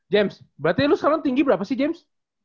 james berarti lo sekarang tinggi berapa sih james